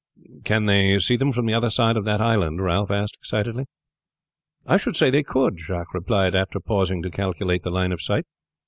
"Can they see them from the other side of that island?" Ralph asked excitedly. "I should say they could," Jacques replied after pausing to calculate the line of sight.